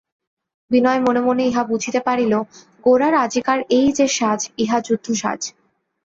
বিনয় মনে মনে ইহা বুঝিতে পারিল, গোরার আজিকার এই-যে সাজ ইহা যুদ্ধসাজ।